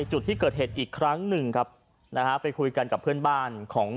จุดที่เกิดเหตุอีกครั้งหนึ่งครับนะฮะไปคุยกันกับเพื่อนบ้านของ